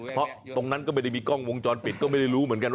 เพราะตรงนั้นก็ไม่ได้มีกล้องวงจรปิดก็ไม่ได้รู้เหมือนกันว่า